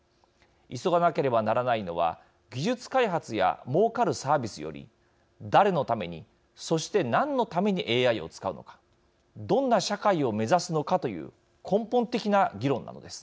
急がなければならないのは技術開発やもうかるサービスより誰のために、そして、何のためにＡＩを使うのかどんな社会を目指すのかという根本的な議論なのです。